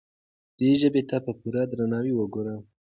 دې ژبې ته په پوره درناوي وګورئ.